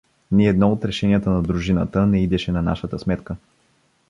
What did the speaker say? Ни едно от решенията на дружината не идеше на нашата сметка.